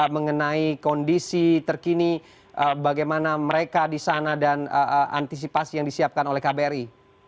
mengenai kondisi terkini bagaimana mereka di sana dan antisipasi yang disiapkan oleh kbri